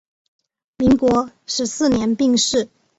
民国十四年病逝。